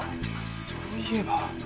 そういえば。